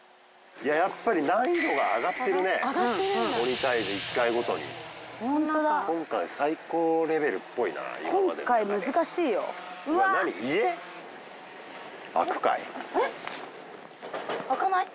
やっぱり難易度が上がってるね「鬼タイジ」１回ごとに今回最高レベルっぽいな今回難しいよ開くかい？